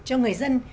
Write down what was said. cho người dân